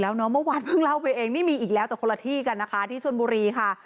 แล้วเนอะเมื่อวานเพิ่งเล่าไปเองนี่มีอีกแล้วแต่คนละที่กันนะคะที่ชนบุรีค่ะ